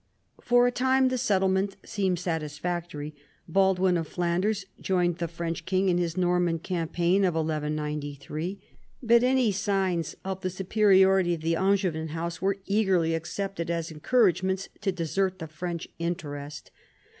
For a time the settlement seemed satisfactory. Baldwin of Flanders joined the French king in his Norman campaign of 1193. But any signs of the superiority of the Angevin house were eagerly accepted as encouragements to desert the French interest.